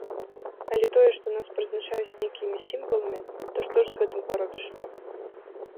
Але тое, што нас прызначаюць нейкімі сімваламі, то што ж з гэтым паробіш.